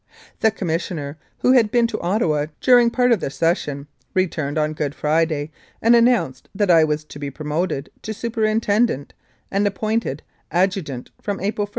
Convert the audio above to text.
The Commissioner, who had been to Ottawa during part of the session, returned on Good Friday and an nounced that I was to be promoted to superintendent and appointed adjutant from April i